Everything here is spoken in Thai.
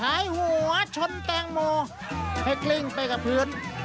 หายหัวชนแตงโมให้กลิ้งไปกับพื้น